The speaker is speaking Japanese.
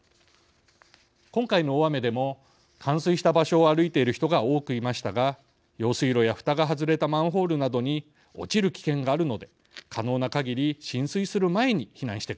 今回の大雨でも冠水した場所を歩いている人が多くいましたが用水路やふたが外れたマンホールなどに落ちる危険があるので可能な限り浸水する前に避難してください。